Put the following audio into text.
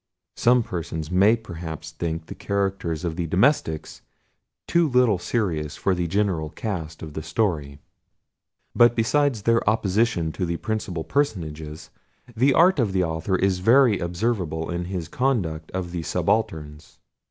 Some persons may perhaps think the characters of the domestics too little serious for the general cast of the story; but besides their opposition to the principal personages, the art of the author is very observable in his conduct of the subalterns.